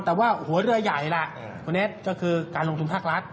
แต่ว่าหัวเรือใหญ่ล่ะคนนี้ก็คือการลงทุนภาครัฐ